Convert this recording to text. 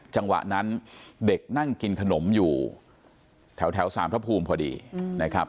จังหวะนั้นเด็กนั่งกินขนมอยู่แถวสารพระภูมิพอดีนะครับ